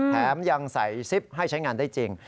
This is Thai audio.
แถมยังใส่ซิปให้ใช้งานได้จริง